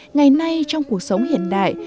ngày nay trong cuộc sống hiện đại